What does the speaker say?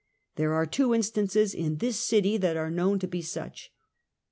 There are two instances in this city that are known to be such.